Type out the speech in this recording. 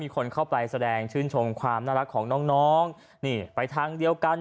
คนเข้าไปแสดงชื่นชมความน่ารักของน้องนี่ไปทางเดียวกัน